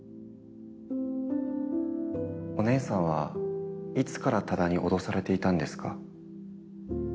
お姉さんはいつから多田に脅されていたんですか？